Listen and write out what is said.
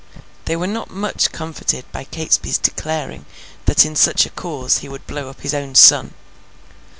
They were not much comforted by Catesby's declaring that in such a cause he would blow up his own son.